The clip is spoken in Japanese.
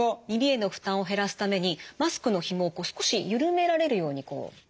耳への負担を減らすためにマスクのひもを少し緩められるようにこう。